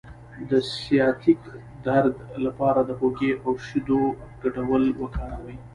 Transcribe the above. د سیاتیک درد لپاره د هوږې او شیدو ګډول وکاروئ